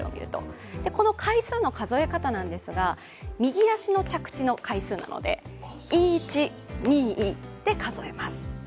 この回数の数え方なんですが、右足の着地の回数なので、１、２って数えます。